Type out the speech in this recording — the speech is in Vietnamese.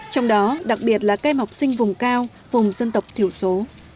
trong đó đặc biệt là cây mọc sinh vùng cao vùng dân tộc thiểu số